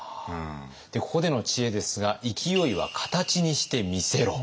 ここでの知恵ですが「勢いは形にして見せろ！」。